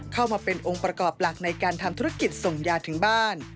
เข้ามาเป็นองค์ประกอบหลักในการทำธุรกิจส่งยาถึงบ้าน